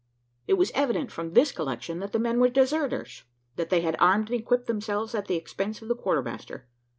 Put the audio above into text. It was evident from this collection that the men were deserters; that they had armed and equipped themselves at the expense of the quartermaster.